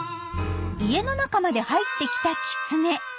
家の中まで入ってきたキツネ。